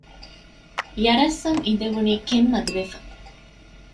ޔަރަސް އަށް އިނދެވުނީ ކެތް މަދުވެފަ